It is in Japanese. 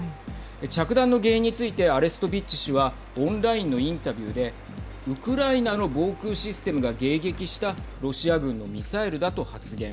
着弾の原因についてアレストビッチ氏はオンラインのインタビューでウクライナの防空システムが迎撃したロシア軍のミサイルだと発言。